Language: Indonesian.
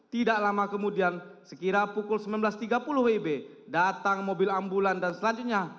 tidak lama kemudian sekira pukul sembilan belas tiga puluh wib datang mobil ambulan dan selanjutnya